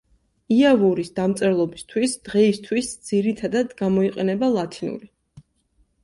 იავურის დამწერლობისთვის დღეისთვის ძირითადად გამოიყენება ლათინური.